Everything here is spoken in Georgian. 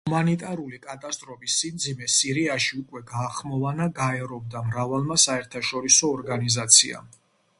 ჰუმანიტარული კატასტროფის სიმძიმე სირიაში უკვე გაახმოვანა გაერომ და მრავალმა საერთაშორისო ორგანიზაციამ.